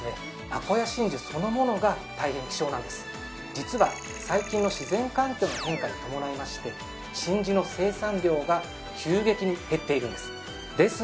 実は最近の自然環境の変化に伴いまして真珠の生産量が急激に減っているんです。